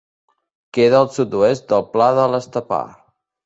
Queda al sud-oest del Pla de l'Estepar.